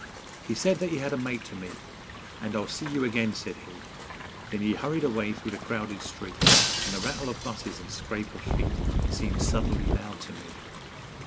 He said that he had a mate to meet, And 'I'll see you again,' said he, Then he hurried away through the crowded street And the rattle of buses and scrape of feet Seemed suddenly loud to me.